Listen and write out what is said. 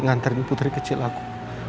nganterin putri kecil aku